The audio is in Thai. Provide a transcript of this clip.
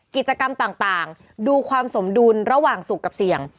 กิจกรรมต่างดูความสมดุลระหว่างสุขกับเสี่ยง